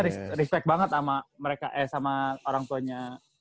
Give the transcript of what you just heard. respect banget sama mereka eh sama orang tuanya